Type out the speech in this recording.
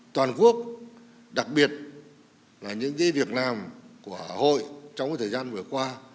toàn quốc đặc biệt là những việc làm của hội trong thời gian vừa qua